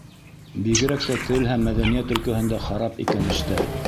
Бигерәк тә тел һәм мәҙәниәт өлкәһендә харап икән эштәр.